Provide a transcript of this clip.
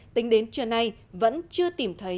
tính đến trưa nay vẫn chưa tìm thấy